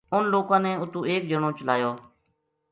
اُنھ لوکاں نے اُتو ایک جنو چلایو